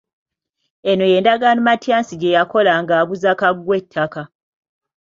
Eno ye ndagaano Matyansi gye yakola ng'aguza Kaggwa ettaka.